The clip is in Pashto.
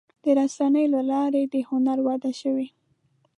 د رسنیو له لارې د هنر وده شوې.